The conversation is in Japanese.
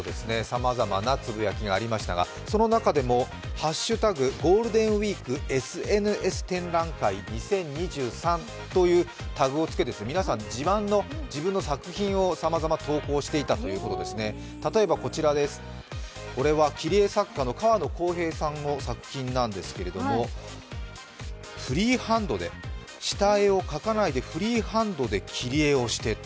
さまざまなつぶやきがありましたが、その中でも「ゴールデンウィークＳＮＳ展覧会２０２３」というタグをつけ、皆さん自慢の自分の作品をさまざま投稿していたということです、例えばこちら、これは切り絵作家の河野耕平さんの作品ですが、フリーハンドで下絵を描かないでフリーハンドで切り絵をして。